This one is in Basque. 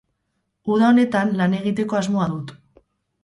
Uda honetan lan egiteko asmoa dut.